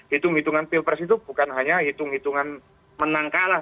hitung hitungan pilpres itu bukan hanya hitung hitungan menang kalah